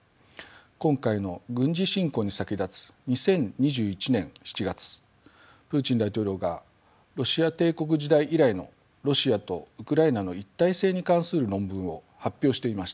今回の軍事侵攻に先立つ２０２１年７月プーチン大統領がロシア帝国時代以来のロシアとウクライナの一体性に関する論文を発表していました。